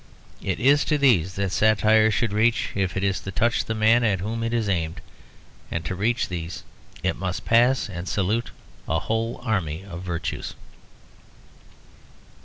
It is to these that satire should reach if it is to touch the man at whom it is aimed. And to reach these it must pass and salute a whole army of virtues.